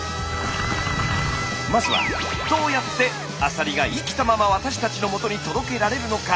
まずはどうやってアサリが生きたまま私たちのもとに届けられるのか？